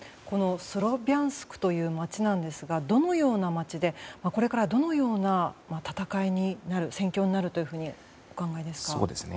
スロビャンスクという街なんですがどのような街でこれからどのような戦いになる、戦況になるとお考えですか？